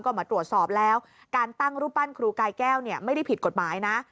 ก็มาตรวจสอบแล้วการตั้งรูปปั้นครูกายแก้วเนี่ยไม่ได้ผิดกฎหมายนะ